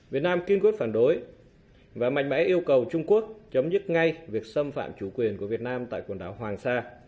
việt nam kiên quyết phản đối và mạnh mẽ yêu cầu trung quốc chấm dứt ngay việc xâm phạm chủ quyền của việt nam tại quần đảo hoàng sa